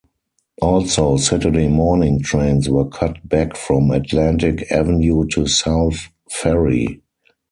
Also, Saturday morning trains were cut back from Atlantic Avenue to South Ferry.